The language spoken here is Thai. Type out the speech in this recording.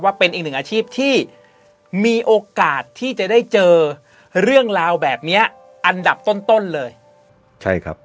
เป็นอีกหนึ่งอาชีพที่มีโอกาสที่จะได้เจอเรื่องราวแบบเนี้ยอันดับต้นต้นเลยใช่ครับ